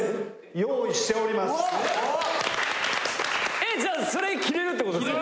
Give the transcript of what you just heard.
えっじゃあそれ着れるってことですか？